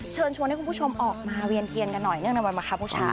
เชิญชวนให้คุณผู้ชมออกมาเวียนเทียนกันหน่อยเนื่องในวันมาครับบูชา